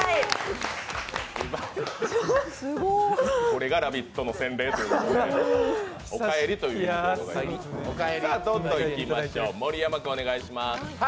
これが「ラヴィット！」の洗礼ということで、お帰りということでございます。